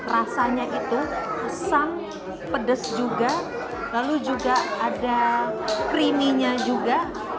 rasanya itu pesan pedes juga lalu juga ada creaminess juga